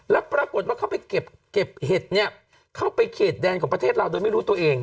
แล้วปรากฏว่าเขาไปเก็บเห็ดเนี่ยเข้าไปเขตแดนของประเทศเราโดยไม่รู้ตัวเอง